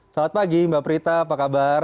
selamat pagi mbak prita apa kabar